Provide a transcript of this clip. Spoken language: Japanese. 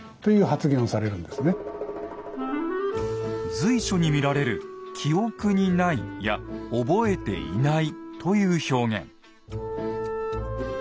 随所に見られる「記憶にない」や「覚えていない」という表現。